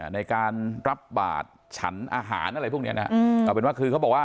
ในการรับบาทฉันอาหารอะไรพวกนี้นะเอาเป็นว่าคือเขาบอกว่า